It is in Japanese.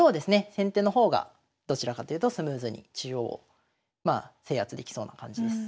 先手の方がどちらかというとスムーズに中央を制圧できそうな感じです。